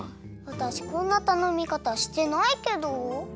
わたしこんなたのみかたしてないけど。